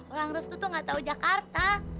orang restu tuh gak tahu jakarta